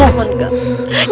jangan sakiti dirimu sendiri